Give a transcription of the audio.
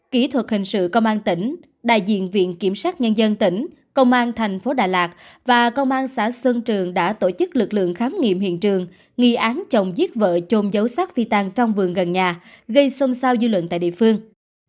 kỹ thuật hình sự công an tỉnh đại diện viện kiểm sát nhân dân tỉnh công an thành phố đà lạt và công an xã sơn trường đã tổ chức lực lượng khám nghiệm hiện trường nghi án chồng giết vợ chôn dấu sát phị tan trong vườn gần nhà gây xông sao dư luận tại địa phương